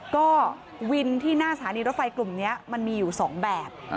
ก็วินที่หน้าสถานีรถไฟกลุ่มนี้มันมีอยู่๒แบบ